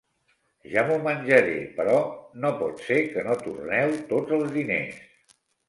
Ja m'ho menjaré, però no pot ser que no torneu tots els diners.